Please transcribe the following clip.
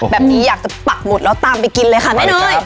แบบนี้อยากจะปักหมุดแล้วตามไปกินเลยค่ะแม่เนย